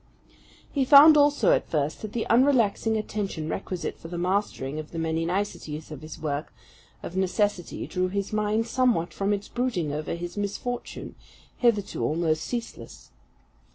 He found also, at first, that the unrelaxing attention requisite for the mastering of the many niceties of his work, of necessity drew his mind somewhat from its brooding over his misfortune, hitherto almost ceaseless.